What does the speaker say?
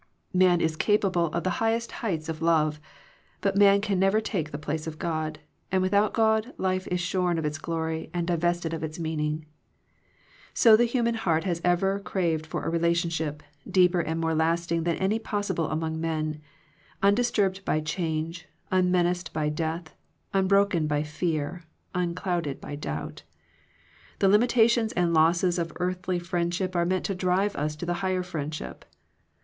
Man is capable of the highest heights of love. But man can never take the place of God, and without God life is shorn of its glory and divested of its meaning. So the human heart has ever craved for a relationship, deeper and more lasting than any possible among men, undis turbed by change, unmenaced by death, unbroken by fear, unclouded by doubt The limitations and losses of earthly friendship are meant to drive us to the higher friendship.